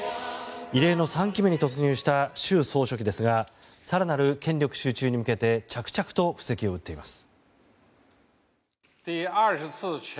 異例の３期目に突入した習総書記ですが更なる権力集中に向けて着々と布石を打っています。